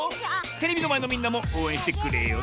テレビのまえのみんなもおうえんしてくれよ